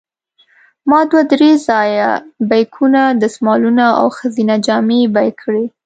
ما دوه درې ځایه بیکونه، دستمالونه او ښځینه جامې بیه کړې.